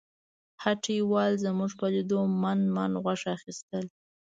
هټیوال زموږ په لیدو من من غوښه اخیستل.